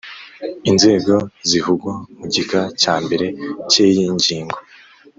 Inzego zivugwa mu gika cya mbere cy iyi ngingo